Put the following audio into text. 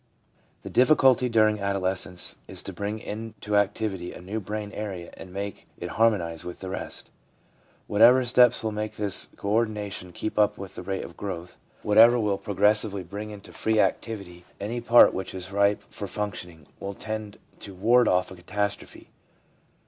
The difficulty during adolescence is to bring into activity a new brain area and make it harmonise with the rest. Whatever steps will make this co ordination keep up with the rate of growth, whatever will progressively bring into free activity any 3 io THE PSYCHOLOGY OF RELIGION part which is ripe for functioning, will tend to ward off a catastrophe.